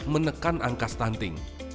menekan angka stunting